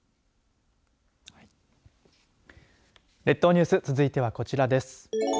列島ニュース続いてはこちらです。